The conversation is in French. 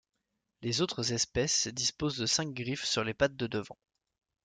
Les autres espèces disposent de cinq griffes sur les pattes de devant.